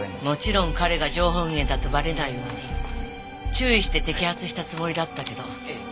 もちろん彼が情報源だとバレないように注意して摘発したつもりだったけど。